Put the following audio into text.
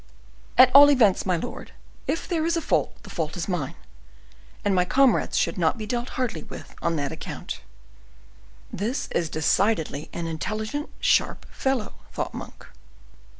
"At all events, my lord, if there is a fault, the fault is mine; and my comrades should not be dealt hardly with on that account." "This is decidedly an intelligent, sharp fellow," thought Monk.